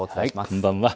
こんばんは。